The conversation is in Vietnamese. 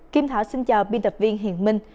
kim thảo xin chào biên tập viên hiền minh